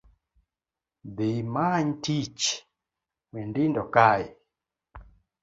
Dhi many tiich we ndindo kae